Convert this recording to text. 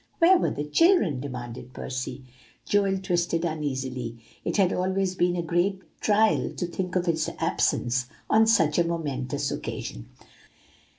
"Where were the children?" demanded Percy. Joel twisted uneasily. It had always been a great trial to think of his absence on such a momentous occasion.